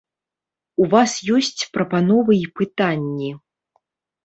У вас ёсць прапановы і пытанні.